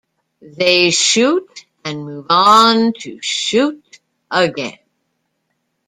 They shoot and move on to shoot again.